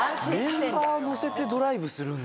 メンバー乗せてドライブするんだ。